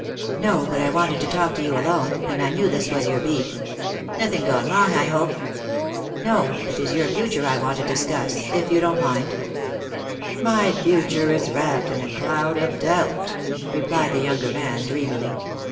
"No, but I wanted to talk to you alone, and I knew this was your beat." "Nothing gone wrong, I hope." "No, it is your future I want to discuss — if you don't mind." "My future is wrapped in a cloud of doubt," replied the younger man, dreamily.